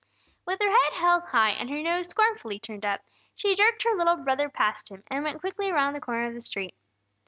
With her head held high, and her nose scornfully turned up, she jerked her little brother past him, and went quickly around the corner of the street.